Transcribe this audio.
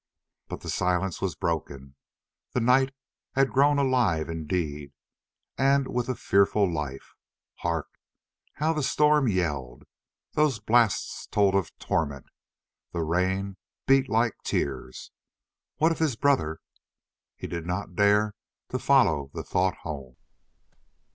But the silence was broken, the night had grown alive indeed—and with a fearful life. Hark! how the storm yelled! those blasts told of torment, that rain beat like tears. What if his brother——He did not dare to follow the thought home.